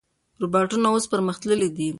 روباټونه اوس پرمختللي دي.